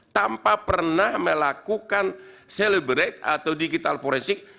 tanpa pernah melakukan celebrate atau digital forensik